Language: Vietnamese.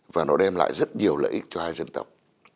và nó đem lại rất nhiều lợi ích cho hai dân tộc